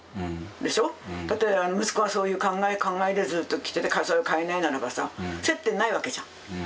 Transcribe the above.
でしょ？だって息子がそういう考えでずっと来ててそれを変えないならばさ接点ないわけじゃん。